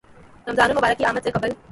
رمضان المبارک کی آمد سے قبل